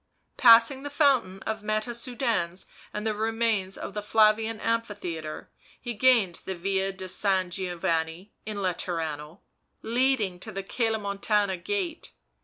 Passing the fountain of Meta Sudans and the remains of the Flavian Amphitheatre, he gained the Yia di San Giovanni in Laterano leading to the Cselimontana Gate.